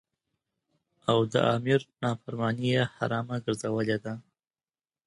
او د امیر نافرمانی یی حرامه ګرځولی ده.